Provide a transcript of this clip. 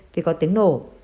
vì có tiếng nổ